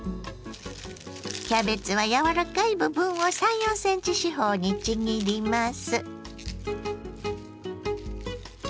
キャベツは柔らかい部分を３４ｃｍ四方にちぎります。